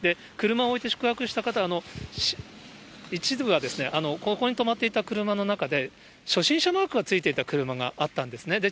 車を置いて宿泊した方、一度はここに止まっていた車の中で、初心者マークがついていた車があったんですね。